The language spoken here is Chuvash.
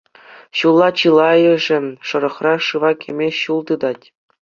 Ҫулла чылайӑшӗ шӑрӑхра шыва кӗме ҫул тытать.